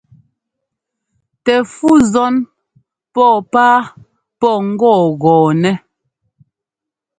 Tɛ fú zɔ́n pɔ́ɔ páa pɔ́ ŋ́gɔ́ɔgɔ́ɔnɛ́.